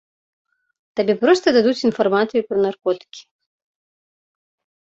Табе проста дадуць інфармацыю пра наркотыкі.